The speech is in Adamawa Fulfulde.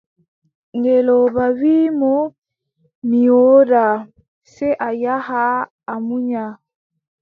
Ngeelooba wii mo: mi woodaa, sey a yaha a munya.